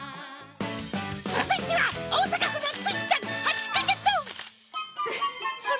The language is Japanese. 続いては、大阪府のついちゃん８か月。